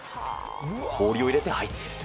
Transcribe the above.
氷を入れて入っていると。